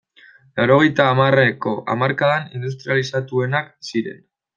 Laurogeita hamarreko hamarkadan industrializatuenak ziren.